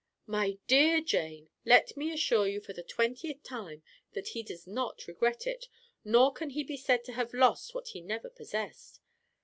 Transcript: "My dear Jane, let me assure you for the twentieth time that he does not regret it, nor can he be said to have lost what he never possessed.